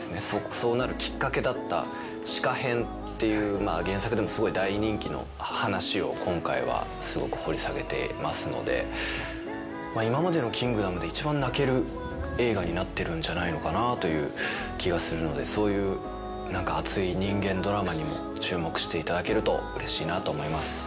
そうなるきっかけだった紫夏編っていう原作でもすごい大人気の話を今回はすごく掘り下げていますので今までの『キングダム』で一番泣ける映画になってるんじゃないのかなという気はするのでそういう熱い人間ドラマにも注目していただけるとうれしいなと思います。